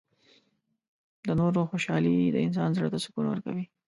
• د نورو خوشحالي د انسان زړۀ ته سکون ورکوي.